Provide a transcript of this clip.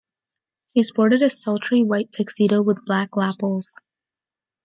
She sported a "sultry" white tuxedo with black lapels.